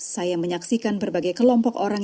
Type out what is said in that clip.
saya menyaksikan berbagai kelompok orang